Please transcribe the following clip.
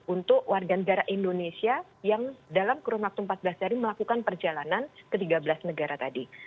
untuk warga negara indonesia yang dalam kurun waktu empat belas hari melakukan perjalanan ke tiga belas negara tadi